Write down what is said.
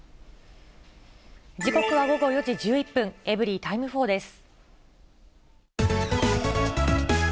時刻は午後４時１１分、エブリィタイム４です。